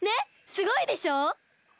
すごいでしょ？